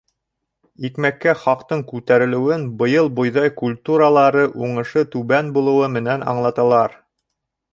Икмәккә хаҡтың күтәрелеүен быйыл бойҙай культуралары уңышы түбән булыуы менән аңлаталар.